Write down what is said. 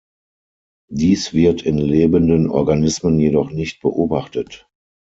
Dies wird in lebenden Organismen jedoch nicht beobachtet.